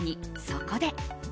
そこで。